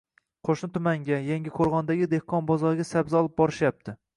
Qoʻshni tumanga, Yangiqoʻrgʻondagi dehqon bozoriga sabzi olib borishyapti.